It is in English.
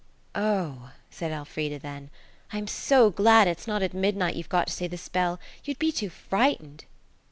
"Oh," said Elfrida, then, "I am so glad it's not at midnight you've got to say the spell. You'd be too frightened."